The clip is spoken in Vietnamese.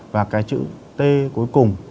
và cái chữ t cuối cùng